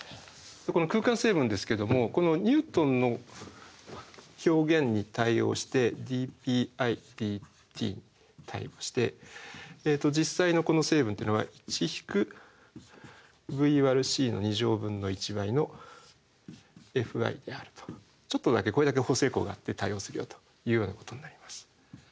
この空間成分ですけどもこのニュートンの表現に対応してｄｐｄｔに対応して実際のこの成分というのはちょっとだけこれだけ補正項があって対応するよというようなことになります。